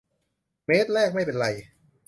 เมตรแรกไม่เป็นไร